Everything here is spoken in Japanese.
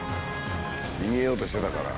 逃げようとしてたから。